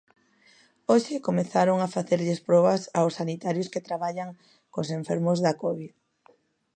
Hoxe comezaron a facerlles probas aos sanitarios que traballan cos enfermos da covid.